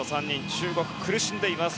中国、苦しんでいます。